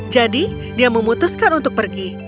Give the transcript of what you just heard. jadi dia memutuskan untuk pergi